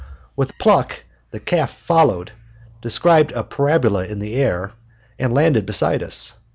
With a "pluck" the calf followed, described a parabola in the air, and landed beside us.